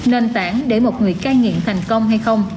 nên tảng để một người ca nghiện thành công hay không